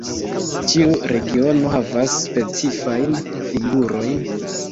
Ĉiu regiono havas specifajn figurojn.